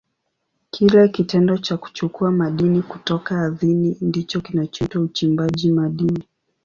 Kile kitendo cha kuchukua madini kutoka ardhini ndicho kinachoitwa uchimbaji madini.